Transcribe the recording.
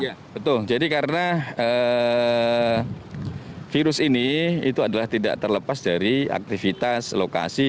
ya betul jadi karena virus ini itu adalah tidak terlepas dari aktivitas lokasi